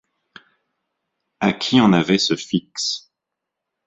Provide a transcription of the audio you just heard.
À qui en avait ce Fix?